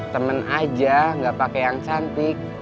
temen aja gak pake yang cantik